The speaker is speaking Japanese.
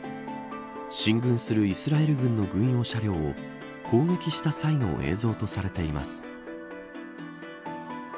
進軍するイスラエル軍の軍用車両を攻撃した際の映像とされています。